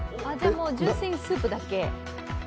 純粋にスープだけ？